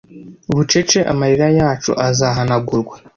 bucece amarira yacu azahanagurwa